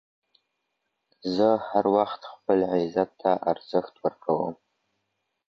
زه هر وخت خپل عزت ته ارزښت ورکوم.